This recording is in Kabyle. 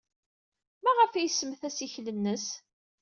Maɣef ay isemmet assikel-nnes?